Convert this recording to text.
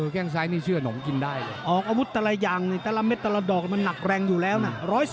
แค่งซ้ายนี่เชื่อหนมกินได้ออกอาวุธแต่ละอย่างนี่แต่ละเม็ดแต่ละดอกมันหนักแรงอยู่แล้วนะ